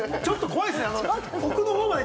ちょっと怖いですね。